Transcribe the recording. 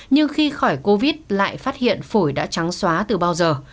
nhưng khi khỏi covid lại phát hiện phổi đã trắng xóa từ bao giờ